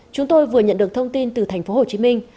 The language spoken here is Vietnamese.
chúng tôi vừa nhận được thông tin từ thành phố hồ chí minh